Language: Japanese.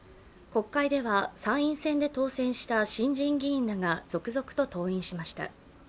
国会では参院選で当選した新人議員らが続々と登院しました。